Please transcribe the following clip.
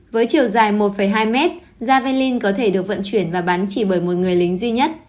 với chiều dài một hai mét daven có thể được vận chuyển và bắn chỉ bởi một người lính duy nhất